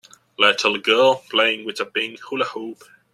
Little girl playing with a pink hula hoop.